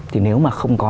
thì nếu mà không có